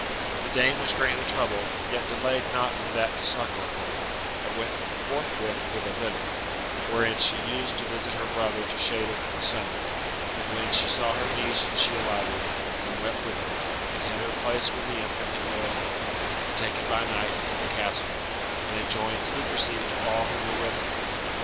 The dame was greatly troubled, yet delayed not for that to succour her, but went forthwith with a litter, wherein she used to visit her brother to shade her from the sun ; and when she saw her niece she alighted, and wept with her, and had her placed with the infant in the litter, and taken by night into the castle, and enjoined secrecy to all who were with her.